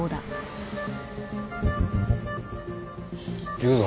行くぞ。